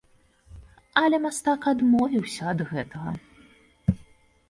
Але мастак адмовіўся ад гэтага.